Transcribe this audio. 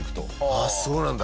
あっそうなんだ。